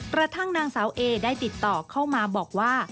กระทั่งนางสาวเอได้ติดต่อเข้ามาบอกว่า